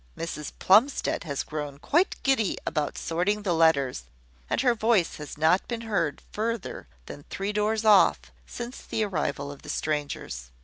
Mrs Plumstead has grown quite giddy about sorting the letters, and her voice has not been heard further than three doors off since the arrival of the strangers.